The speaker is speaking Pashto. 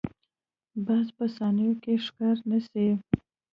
باز په ثانیو کې ښکار نیسي